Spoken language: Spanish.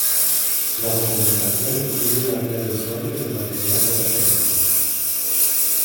La documentación incluye una guía de usuarios y el material de referencia.